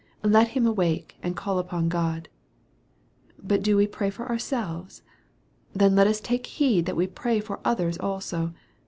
Let him awake, and call upon God. But do we pray for ourselves ? Then let us take heed that we pray for others also.